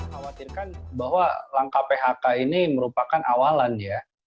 khawatirkan bahwa langkah phk ini merupakan awalan ya